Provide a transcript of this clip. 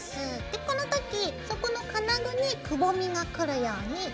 でこの時そこの金具にくぼみがくるように。